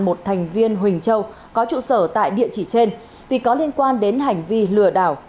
một thành viên huỳnh châu có trụ sở tại địa chỉ trên thì có liên quan đến hành vi lừa đảo